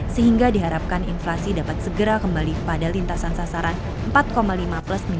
sehingga diharapkan inflasi dapat segera kembali pada lintasan sasaran empat lima plus minus